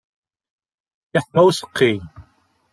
Yeḥma useqqi.